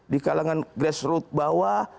di kalangan grassroots bawah